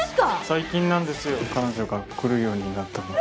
最近なんですよ彼女が来るようになったのは。